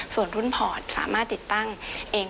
ส่วนรุ่นพอร์ตสามารถติดตั้งเอง